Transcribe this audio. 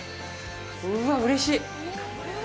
うっわ、うれしい！